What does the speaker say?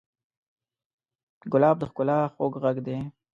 ګلاب د ښکلا خوږ غږ دی.